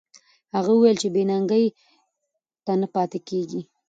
هغې وویل چې بې ننګۍ ته نه پاتې کېږي.